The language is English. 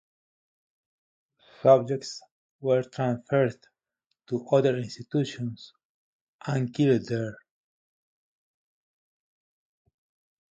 Subjects were transferred to other institutions and killed there.